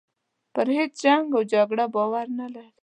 پر هیچ جنګ و جګړې باور نه لري.